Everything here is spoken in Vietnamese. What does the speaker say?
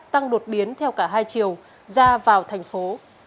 tăng đột biến theo cả hai chiều ra vào thành phố